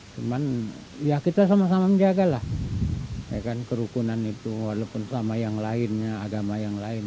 cuman ya kita sama sama menjagalah kerukunan itu walaupun sama yang lainnya agama yang lain